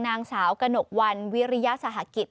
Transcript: นางสาวกระหนกวันวิริยสหกิจ